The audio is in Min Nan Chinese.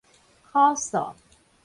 苦素